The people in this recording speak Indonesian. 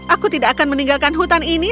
aku tidak akan meninggalkan hutan ini